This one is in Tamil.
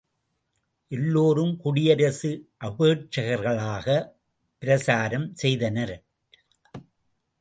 எல்லோரும் குடியரசு அபேட்ககர்களுக்காகப் பிரசாரம் செய்தனர்.